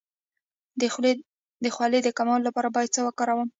د خولې د کمولو لپاره باید څه شی وکاروم؟